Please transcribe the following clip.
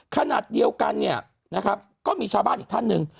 ขณะเดียวกันเนี่ยนะครับก็มีชาวบ้านอีกท่านหนึ่ง